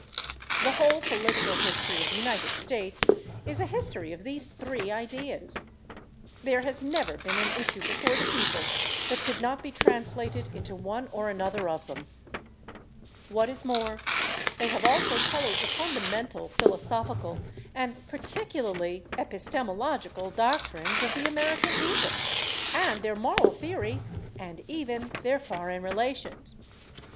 The whole political history of the United States is a history of these three ideas. There has never been an issue before the people that could not be translated into one or another of them. What is more, they have also colored the fundamental philosophical (and particularly epistemological) doctrines of the American people, and their moral theory, and even their foreign relations.